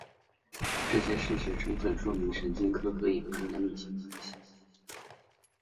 这些事实充分说明神经科和眼科的密切关系。